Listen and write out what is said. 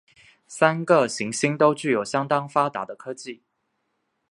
三个行星都具有相当发达的科技。